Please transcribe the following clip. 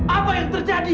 apa yang terjadi